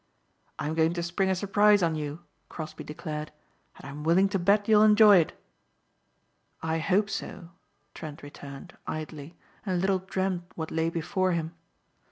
"I'm going to spring a surprise on you," Crosbeigh declared, "and I'm willing to bet you'll enjoy it." "I hope so," Trent returned, idly, and little dreamed what lay before him.